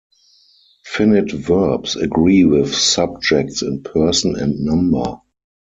Finite verbs agree with subjects in person, and number.